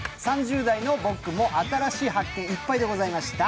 ３０代の僕も新しい発見いっぱいでございました。